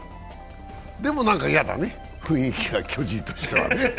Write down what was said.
でも、何か嫌だね、雰囲気が、巨人としてはね。